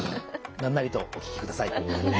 何なりとお聞きください。